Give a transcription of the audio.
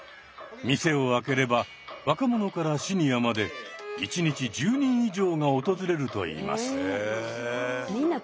店を開ければ若者からシニアまで１日１０人以上が訪れるといいます。